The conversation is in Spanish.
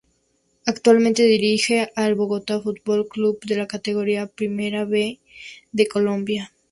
Actualmente dirige al Bogotá Fútbol Club de la Categoría Primera B de Colombia.